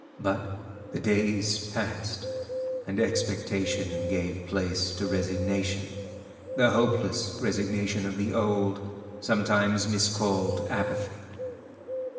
But the days passed, and expectation gave place to resignation—the hopeless resignation of the old, sometimes miscalled, apathy.